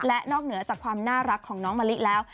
และนอกเหนือจากความน่ารักของน้องมะลิแล้ว